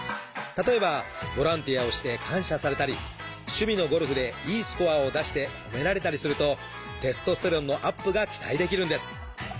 例えばボランティアをして感謝されたり趣味のゴルフでいいスコアを出して褒められたりするとテストステロンのアップが期待できるんです。